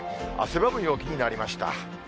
汗ばむ陽気になりました。